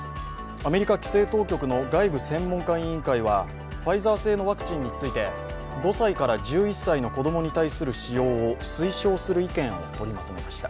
アメリカ規制当局の外部専門家委員会はファイザー製ワクチンについて５歳から１１歳の子どもに対する使用を推奨する意見を取りまとめました。